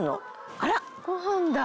あら！ご飯だ。